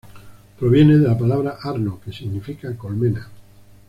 Proviene de la palabra "Arno", que significa colmena.